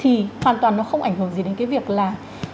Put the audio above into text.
thì hoàn toàn nó không ảnh hưởng gì đến cái việc là